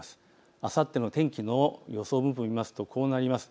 あさっての天気の予想分布を見ますとこうなります。